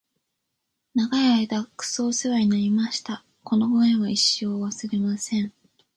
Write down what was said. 長い間クソおせわになりました！！！このご恩は一生、忘れません！！